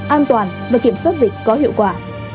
an toàn và kiểm soát dịch có hiệu quả